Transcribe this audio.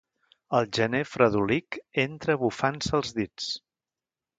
El gener fredolic entra bufant-se els dits.